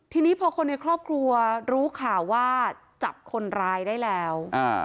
ทีนี้พอคนในครอบครัวรู้ข่าวว่าจับคนร้ายได้แล้ว